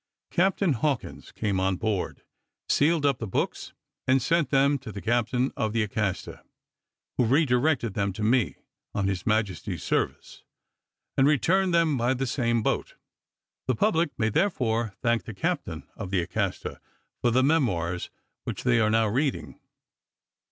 Captain Hawkins came on board, sealed up the books, and sent them to the captain of the Acasta, who redirected them to me, on His Majesty's service, and returned them by the same boat. The public may therefore thank the captain of the Acasta for the memoirs which they are now reading.